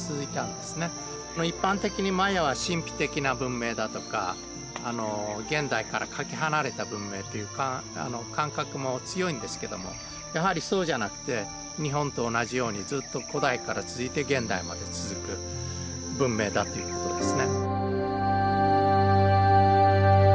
一般的にマヤは神秘的な文明だとか現代からかけ離れた文明というか感覚も強いんですけどもやはりそうじゃなくて日本と同じようにずっと古代から続いて現代まで続く文明だということですね。